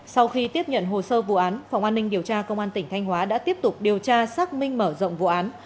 sau khi tiếp nhận hồ sơ vụ án phòng an ninh điều tra công an tỉnh thanh hóa đã tiếp tục điều tra xác minh mở rộng vụ án